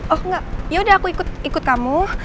oh enggak yaudah aku ikut kamu